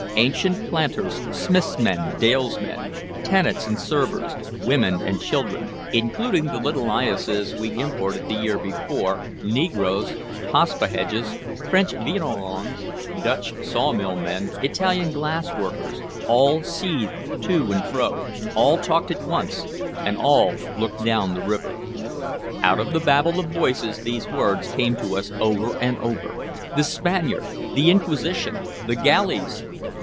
Ancient planters, Smith's men, Dale's men, tenants and servants, women and children, including the little eyases we imported the year before, negroes, Paspaheghs, French vignerons, Dutch sawmill men, Italian glassworkers, all seethed to and fro, all talked at once, and all looked down the river. Out of the babel of voices these words came to us over and over: "The Spaniard!" "The Inquisition!" "The galleys!"